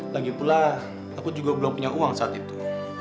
lagipula aku juga belum punya uang saat itu